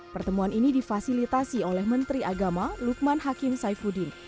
pertemuan ini difasilitasi oleh menteri agama lukman hakim saifuddin